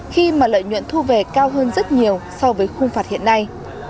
khi mà lợi nhuận thu về cao hơn rất nhiều so với khung phạt hiện nay